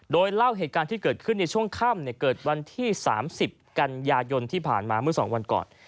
โดยเล่าเหตุการณ์ที่เกิดขึ้นในช่วงค่ำเกิดวันที่๓๐กันยายนที่ผ่านมาเมื่อ๒วันก่อน